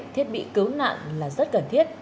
thiết bị cứu nạn là rất cần thiết